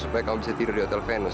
supaya kamu bisa tidur di hotel venus